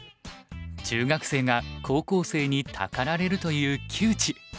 中学生が高校生にたかられるという窮地。